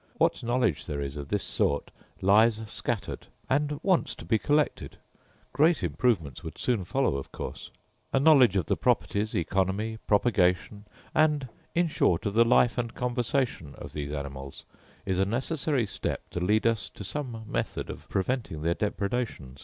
What knowledge there is of this sort lies scattered, and wants to be collected; great improvements would soon follow of course. A knowledge of the properties, oeconomy, propagation, and in short of the life and conversation of these animals, is a necessary step to lead us to some method of preventing their depredations.